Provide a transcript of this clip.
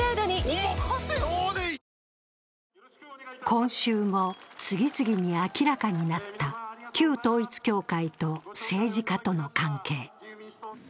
今週も次々に明らかになった旧統一教会と政治家との関係。